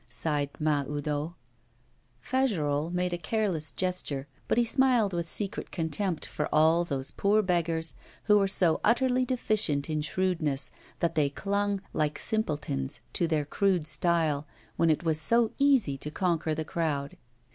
sighed Mahoudeau. Fagerolles made a careless gesture, but he smiled with secret contempt for all those poor beggars who were so utterly deficient in shrewdness that they clung, like simpletons, to their crude style, when it was so easy to conquer the crowd.